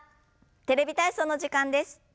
「テレビ体操」の時間です。